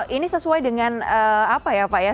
ini sesuai dengan apa ya pak ya